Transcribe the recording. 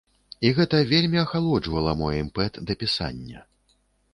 І гэта вельмі ахалоджвала мой імпэт да пісання.